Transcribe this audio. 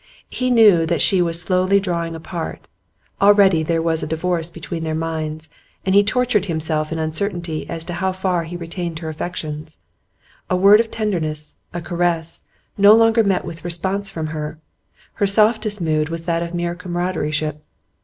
He knew that she was slowly drawing apart; already there was a divorce between their minds, and he tortured himself in uncertainty as to how far he retained her affections. A word of tenderness, a caress, no longer met with response from her; her softest mood was that of mere comradeship.